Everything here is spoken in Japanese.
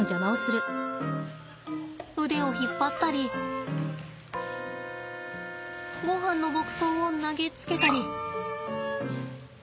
腕を引っ張ったりごはんの牧草を投げつけたり。